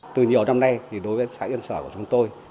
từ nhiều năm nay thì đối với xã yên sở của chúng tôi